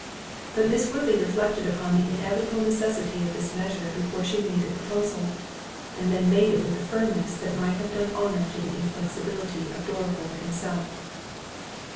But Miss Woodley reflected upon the inevitable necessity of this measure before she made the proposal; and then made it with a firmness that might have done honour to the inflexibility of Dorriforth himself.